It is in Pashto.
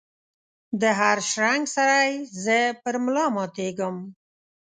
دهر شرنګ سره یې زه پر ملا ماتیږم